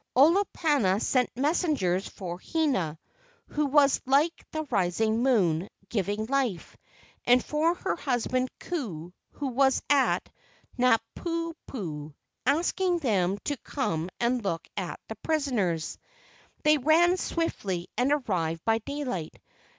Olopana sent messengers for Hina, who was like the rising moon, giving life, and for her husband Ku, who was at Napoopoo, asking them to come and look at these prisoners. They ran swiftly and arrived by daylight.